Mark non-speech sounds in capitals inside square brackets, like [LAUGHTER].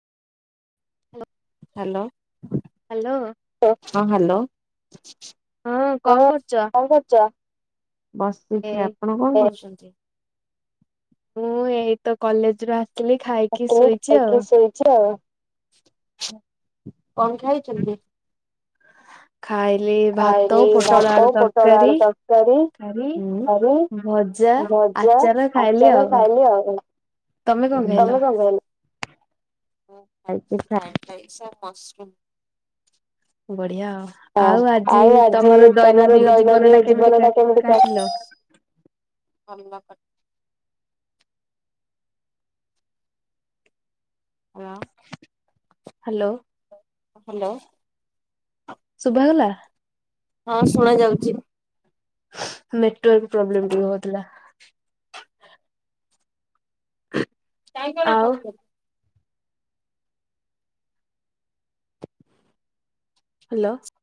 Hello. Hello. ହଁ hello ହଁ କଣ କରୁଚ? ବସିଛି ଆପଣ କଣ କରୁଚନ୍ତି? ମୁଁ ଏଇତ କଲେଜରୁୁ ଆ ସିଲି ଖାଇ ଆସିଲି ଖାଇକି ଶୋଇଚି ଆଉ କଣ ଖାଇଚନ୍ତି? ଖାଇଲି ଭାତ ପୋଟଳ ଆଳୁ ତରକାରୀ କାରୀ ଭଜା ଆଚାର ଖାଇଲି ଆଉ ତମେ କଣ ଖାଇଲ? ମୁଁ ଖାଇଚି ପ୍ରାଏଡ୍ ରାଇସ ଆଉ ମସରୁମ୍। ହଁ ଆଉ ଆଜି ତମର ଦୈନଦିନ ଜୀବନ ଟା କେମିତି କ ଭଲ କ ହାଲୋ। ହାଲୋ। ଶୁଭାଗଲା? ହଁ ଶୁଣା ଯାଉଚି। ନେଟୱାର୍କ ପ୍ରୋବ୍ଲେମ୍ ଟିକେ ହଉଥୁଲା। କାଇଁ କଣ [UNINTELLIGIBLE] ହାଲୋ।